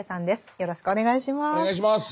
よろしくお願いします。